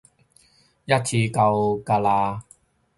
一次夠㗎喇！